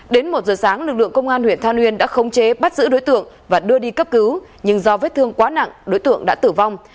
đến một giờ sáng lực lượng công an huyện than uyên đã khống chế bắt giữ đối tượng và đưa đi cấp cứu nhưng do vết thương quá nặng đối tượng đã tử vong